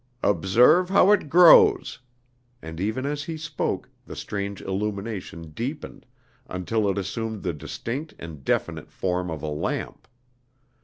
"Observe how it grows," and even as he spoke the strange illumination deepened, until it assumed the distinct and definite form of a lamp.